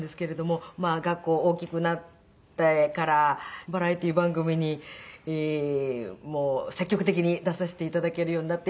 学校大きくなってからバラエティー番組に積極的に出させて頂けるようになって。